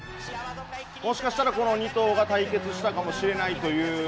もしかしたらこの２頭が対決したかもしれないという。